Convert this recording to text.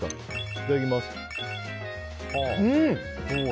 いただきます。